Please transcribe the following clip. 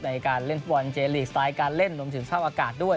ในการเล่นฟุตบอลเจลีกสไตล์การเล่นรวมถึงสภาพอากาศด้วย